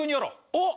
おっ！